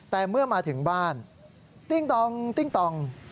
แต่เมื่อมาถึงบ้านติ้งติ้งตอง